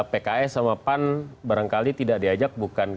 pks sama pan barangkali tidak diajak bukan